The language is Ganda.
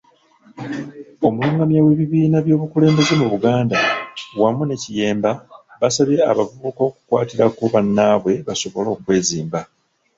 Omulungamya w'ebibiina by'obukulembeze mu Buganda, wamu ne Kiyemba, basabye abavubuka okukwatirako bannaabwe basobole okwezimba.